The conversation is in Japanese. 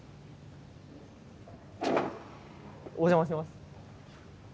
お邪魔します。